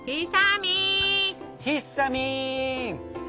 ひっさみん。